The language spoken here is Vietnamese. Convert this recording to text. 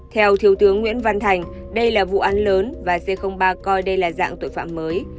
theo thiếu tướng nguyễn văn thành đây là vụ án lớn và c ba coi đây là dạng tội phạm mới